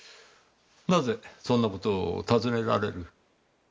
なぜそんな事を尋ねられる？